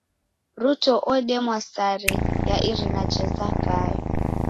Ruto odemwa sare ya irina ja Zakayo.